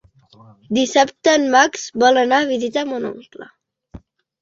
Dissabte en Max vol anar a visitar mon oncle.